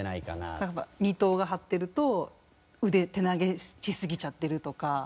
例えば二頭が張ってると腕手投げしすぎちゃってるとか。